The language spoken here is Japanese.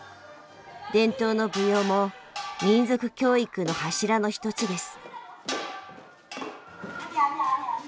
伝統の舞踊も民族教育の柱の一つです。